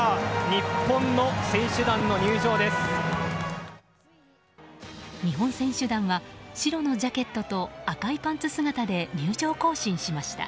日本選手団は白のジャケットと赤いパンツ姿で入場行進しました。